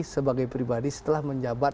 sebagai pribadi setelah menjabat